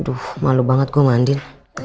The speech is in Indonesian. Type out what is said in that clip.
aduh malu banget gue mandir